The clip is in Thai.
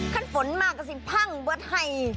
ครั้นฝนมากก็ซิพั่งเบาะไทย